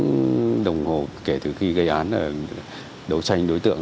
chúng tôi đã trong khoảng một tiếng đồng hồ kể từ khi gây án đấu tranh đối tượng